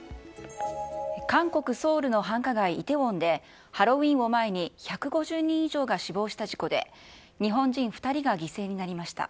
韓国・ソウルの繁華街、イテウォンで、ハロウィーンを前に、１５０人以上が死亡した事故で、日本人２人が犠牲になりました。